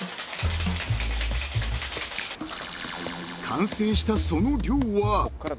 ［完成したその量は？］